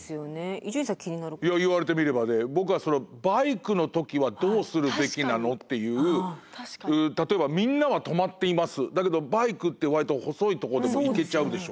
伊集院さん気になることは？いや言われてみればで僕はバイクの時はどうするべきなの？っていう例えばみんなは止まっていますだけどバイクって割と細いとこでも行けちゃうでしょ。